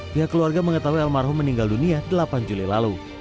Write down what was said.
pihak keluarga mengetahui almarhum meninggal dunia delapan juli lalu